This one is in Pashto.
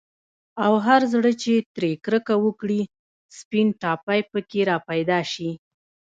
او هر زړه چي ترې كركه وكړي، سپين ټاپى په كي راپيدا شي